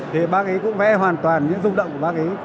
thì bác ấy cũng vẽ hoàn toàn những rung động của bác ấy